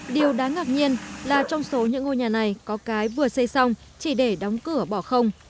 điều đáng ngạc nhiên là trong số những ngôi nhà này có cái vừa xây xong chỉ để đóng cửa bỏ không